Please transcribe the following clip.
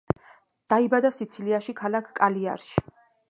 დაიბადა სიცილიაში, ქალაქ კალიარში.